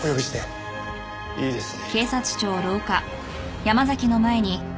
いいですね。